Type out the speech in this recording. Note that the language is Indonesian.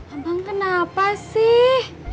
abang kenapa sih